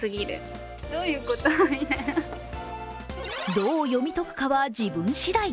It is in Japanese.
どう読み解くかは、自分しだい。